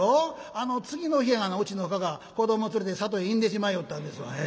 あの次の日うちのかか子ども連れて里へ去んでしまいよったんですわ。